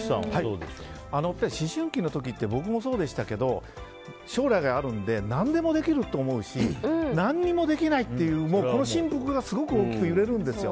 思春期の時って僕もそうでしたけど将来があるので何でもできるって思うし何もできないって、この振幅がすごく大きく揺れるんですよ。